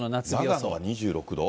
長野が２６度。